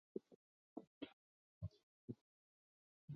将农业部的渔船检验和监督管理职责划入交通运输部。